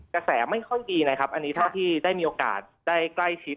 กระแสไม่ค่อยดีนะครับอันนี้เท่าที่ได้มีโอกาสได้ใกล้ชิด